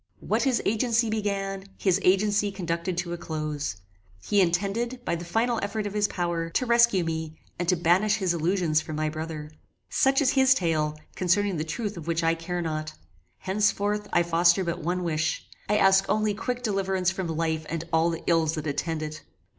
What his agency began, his agency conducted to a close. He intended, by the final effort of his power, to rescue me and to banish his illusions from my brother. Such is his tale, concerning the truth of which I care not. Henceforth I foster but one wish I ask only quick deliverance from life and all the ills that attend it.